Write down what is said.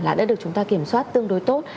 là đã được chúng ta kiểm soát tương đối tốt